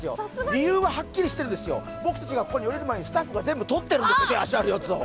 理由ははっきりしてるんですよ、僕たちがここに下りる前にスタッフが全部手足があるのを取ってるんですよ！